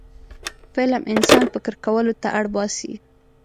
فلم انسان فکر کولو ته اړ باسي